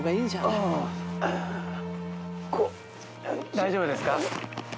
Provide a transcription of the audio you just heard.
大丈夫ですか？